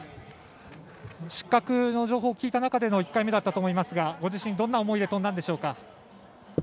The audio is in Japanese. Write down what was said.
失格の情報を聞いた中での１回目だったと思いますがご自身、どんな思いで飛んだんでしょうか？